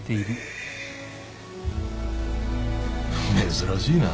珍しいな。